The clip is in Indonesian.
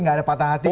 nggak ada patah hati